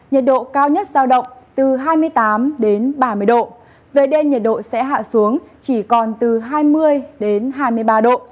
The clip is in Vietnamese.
nhiệt độ cao nhất giao động từ hai mươi tám đến ba mươi độ về đêm nhiệt độ sẽ hạ xuống chỉ còn từ hai mươi hai mươi ba độ